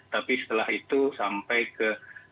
tapi setelah itu sampai ke